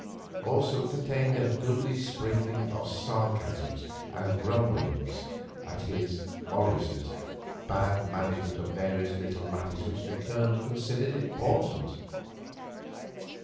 Also it contained a goodly sprinkling of sarcasms and grumblings at his, Morris's, bad management of various little matters which the Colonel considered important.